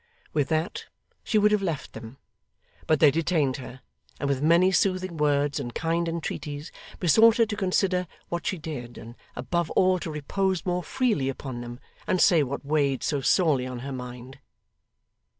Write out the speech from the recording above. With that, she would have left them, but they detained her, and with many soothing words and kind entreaties, besought her to consider what she did, and above all to repose more freely upon them, and say what weighed so sorely on her mind.